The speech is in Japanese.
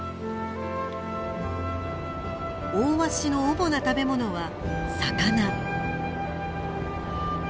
オオワシの主な食べ物は魚。